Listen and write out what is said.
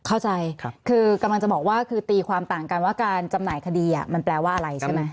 เข้าใจคือกำลังจะบอกว่าคือตีความต่างกันว่าการจำหน่ายคดีมันแปลว่าอะไรใช่ไหม